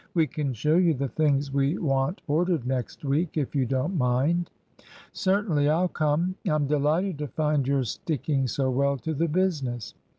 We can show you the things we want ordered next week, if you don't mind." "Certainly; I'll come. I'm delighted to find you're sticking so well to the business."